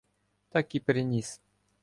Так і приніс.